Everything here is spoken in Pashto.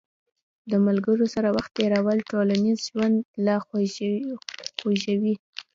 د ملګرو سره وخت تېرول ټولنیز ژوند لا خوږوي.